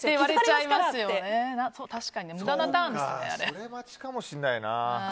それ待ちかもしれいないな。